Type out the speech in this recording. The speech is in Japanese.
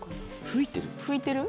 ふいてる？